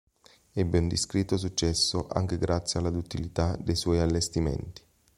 Ebbe un discreto successo anche grazie alla duttilità dei suoi allestimenti.